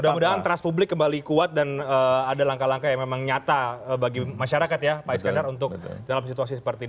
mudah mudahan trust publik kembali kuat dan ada langkah langkah yang memang nyata bagi masyarakat ya pak iskandar untuk dalam situasi seperti ini